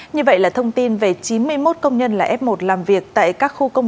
như vậy là thông tin về chín mươi một công nhân là f một làm việc tại các khu công